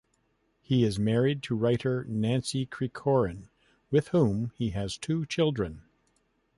He is married to writer Nancy Kricorian, with whom he has two children.